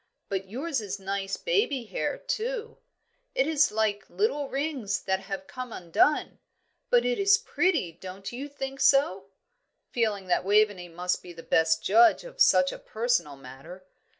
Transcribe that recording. But yours is nice baby hair, too it is like little rings that have come undone; but it is pretty, don't you think so?" feeling that Waveney must be the best judge of such a personal matter.